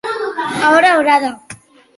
A hora horada.